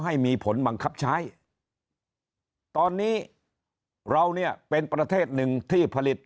ให้มีผลบังคับใช้ตอนนี้เราเนี่ยเป็นประเทศหนึ่งที่ผลิต